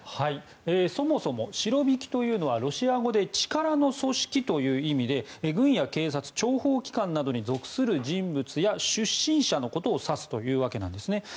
そもそもシロビキというのはロシア語で力の組織という意味で軍や警察諜報機関に属する人物や出身者のことを指すというわけなんですね。